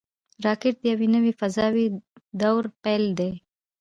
راکټ د یوه نوي فضاوي دور پیل دی